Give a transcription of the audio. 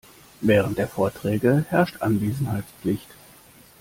Während der Vorträge herrscht Anwesenheitspflicht.